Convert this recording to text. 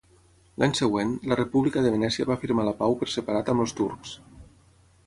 L'any següent, la República de Venècia va firmar la pau per separat amb els turcs.